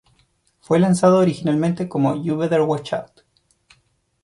Fue lanzado originalmente como You Better Watch Out.